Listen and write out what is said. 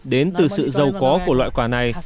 đến từ sự giàu có của loại quả này